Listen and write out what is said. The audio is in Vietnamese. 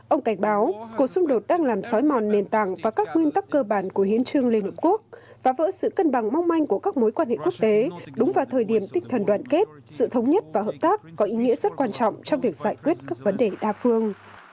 ông cảnh báo cuộc xung đột đang làm sói mòn nền tảng và các nguyên tắc cơ bản của hiến trương liên hợp quốc và vỡ sự cân bằng mong manh của các mối quan hệ quốc tế đúng vào thời điểm tích thần đoàn kết sự thống nhất và hợp tác có ý nghĩa rất quan trọng trong việc giải quyết các vấn đề đa phương